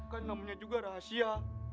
kan namanya juga rahasia